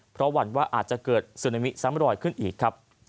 เพราะหวัดว่าอาจจะเกิดสุนามิสัมบัติขึ้นอีก